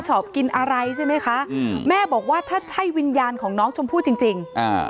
ชอบกินอะไรใช่ไหมคะอืมแม่บอกว่าถ้าใช่วิญญาณของน้องชมพู่จริงจริงอ่า